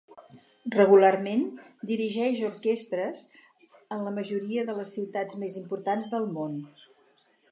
Regularment dirigeix orquestres en la majoria de les ciutats més importants del món.